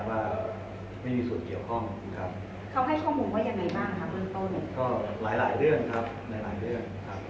แต่มีการพูดคุยถึงเรื่องอ่าโทรศัพท์เรื่องอะไรต่างต่างนะครับ